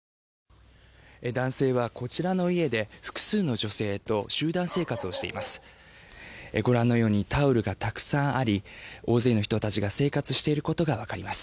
男性はこちらの家で複数の女性と集団生活をしています。